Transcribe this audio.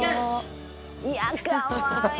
「いやかわいい！」